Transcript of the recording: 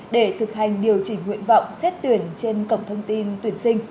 để thực hành điều chỉnh nguyện vọng xét tuyển trên cổng thông tin tuyển sinh